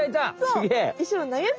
すげえ！